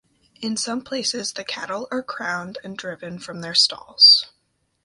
In some places the cattle are crowned and driven from their stalls.